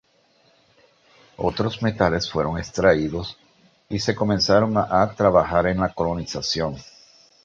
Otros metales fueron extraídos y se comenzaron a trabajar en la colonización.